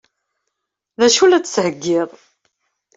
D acu i la d-tettheggiḍ?